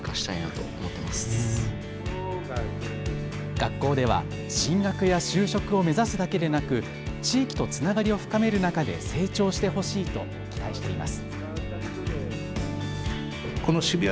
学校では進学や就職を目指すだけでなく地域とつながりを深める中で成長してほしいと期待しています。